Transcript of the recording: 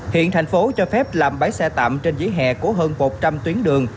hiện thành phố cho phép làm bãi xe tạm trên vỉa hè của hơn một trăm linh tuyến đường